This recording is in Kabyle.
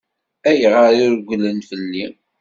Ayɣer i regglen fell-i?